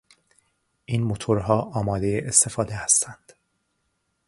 این موتورها آمادهی استفاده هستند.